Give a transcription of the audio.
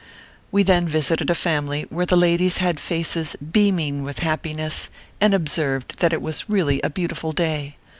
We then visited a family where the ladies had faces beaming with happiness, and observed that it was really a beautiful day.